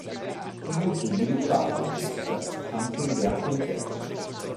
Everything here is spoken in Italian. È molto sviluppata la pesca, anche nelle acque interne.